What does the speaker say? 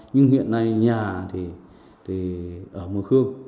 nhưng hiện nay nhà thì ở mường khương